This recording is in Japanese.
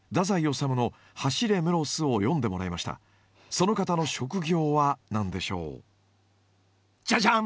その方の職業は何でしょう？じゃじゃん！